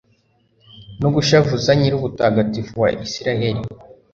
no gushavuza Nyir’ubutagatifu wa Israheli